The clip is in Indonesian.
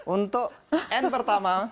untuk n pertama